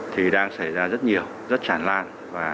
thì đang xảy ra rất nhiều rất tràn lan